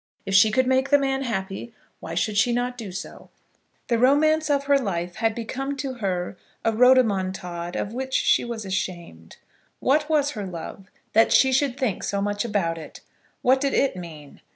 If she could make the man happy why should she not do so? The romance of her life had become to her a rhodomontade of which she was ashamed. What was her love, that she should think so much about it? What did it mean?